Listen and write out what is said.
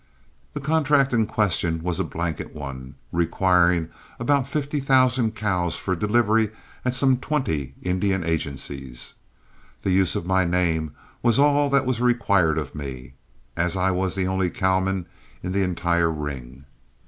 The contract in question was a blanket one, requiring about fifty thousand cows for delivery at some twenty Indian agencies. The use of my name was all that was required of me, as I was the only cowman in the entire ring.